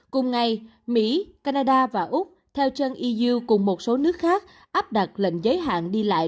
cùng ngày mỹ canada và úc theo trân yu cùng một số nước khác áp đặt lệnh giới hạn đi lại